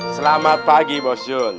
selamat pagi bu jun